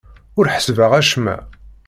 Ur ḥessbeɣ acemma.